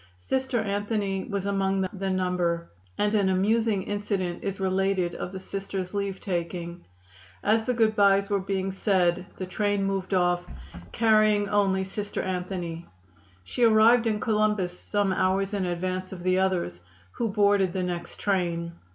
Sister Anthony was among the number, and an amusing incident is related of the Sisters' leave taking. As the good byes were being said the train moved off, carrying only Sister Anthony. She arrived in Columbus some hours in advance of the others, who boarded the next train.